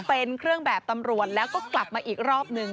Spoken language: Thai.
เป็นเครื่องแบบตำรวจแล้วก็กลับมาอีกรอบหนึ่ง